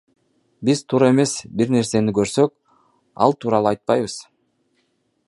Биз туура эмес бир нерсени көрсөк, ал тууралуу айтпайбыз.